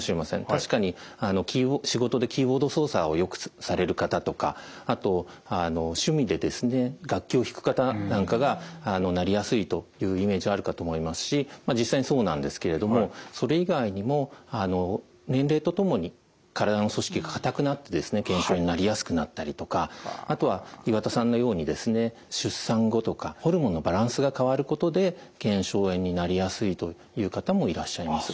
確かに仕事でキーボード操作をよくされる方とかあと趣味で楽器を弾く方なんかがなりやすいというイメージあるかと思いますし実際にそうなんですけれどもそれ以外にも年齢とともに体の組織が硬くなって腱鞘炎になりやすくなったりとかあとは岩田さんのように出産後とかホルモンのバランスが変わることで腱鞘炎になりやすいという方もいらっしゃいます。